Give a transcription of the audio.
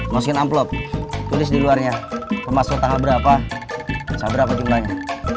masukin amplop tulis di luarnya masuk tanggal berapa bisa berapa jumlahnya